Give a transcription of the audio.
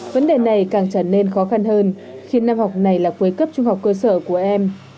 vấn đề này càng trở nên khó khăn hơn khi năm học này là cuối cấp trung học cơ sở của em